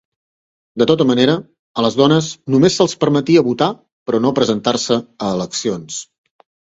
De tota manera, a les dones només se'ls permetia votar però no presentar-se a eleccions.